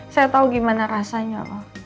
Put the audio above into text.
saya tahu gimana rasanya